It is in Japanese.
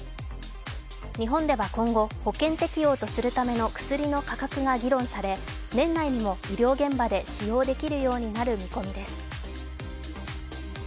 日本では今後、保険適用とするための薬の価格が議論され、年内にも医療現場で使用できるようになる見込みです。